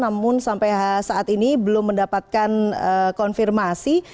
namun sampai saat ini belum mendapatkan konfirmasi